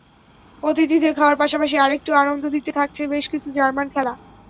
অতিথিদের খাওয়ার পাশাপাশি আরেকটু আনন্দ দিতে থাকছে বেশ কিছু জার্মান খেলা।